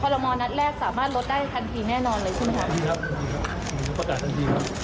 พอเรามองนัดแรกสามารถลดได้ทันทีแน่นอนเลยใช่ไหมครับ